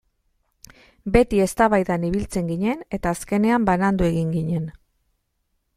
Beti eztabaidan ibiltzen ginen eta azkenean banandu egin ginen.